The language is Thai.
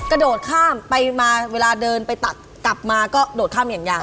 กระโดดข้ามไปมาเวลาเดินไปตัดกลับมาก็โดดข้ามอย่างยาว